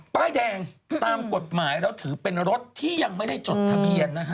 ป้ายแดงตามกฎหมายแล้วถือเป็นรถที่ยังไม่ได้จดทะเบียนนะฮะ